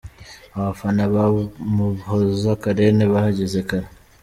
Abafana ba Umuhoza Karen bahageze kare.